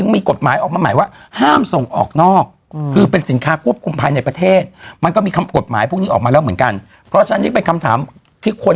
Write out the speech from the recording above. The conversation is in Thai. มีแต่ว่าก็ไม่ได้เยอะอะพี่